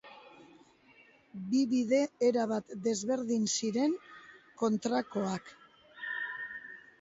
Bi bide erabat desberdin ziren, kontrakoak.